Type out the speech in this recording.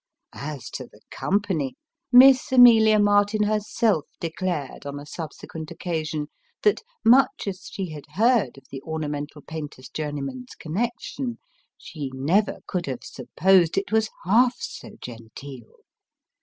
As to the company! Miss Amelia Martin herself declared, on a subsequent occasion, that, much as she had heard of the ornamental painter's journeyman's con nection, she never could have supposed it was half so genteel.